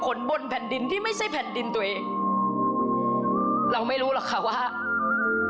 ของท่านได้เสด็จเข้ามาอยู่ในความทรงจำของคน๖๗๐ล้านคนค่ะทุกท่าน